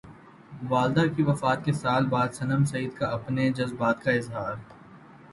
والدہ کی وفات کے سال بعد صنم سعید کا اپنے جذبات کا اظہار